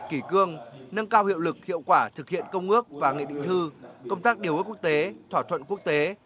kỷ cương nâng cao hiệu lực hiệu quả thực hiện công ước và nghị định thư công tác điều ước quốc tế thỏa thuận quốc tế